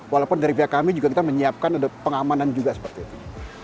walaupun dari pihak kami juga kita menyiapkan ada pengamanan juga seperti itu